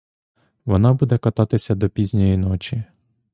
Вона буде кататися до пізньої ночі.